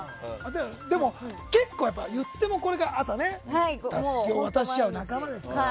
でも、言ってもこれが朝、たすきを渡し合う仲間ですから。